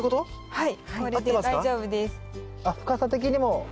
はい。